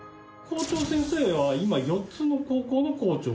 校長先生は今４つの高校の校長？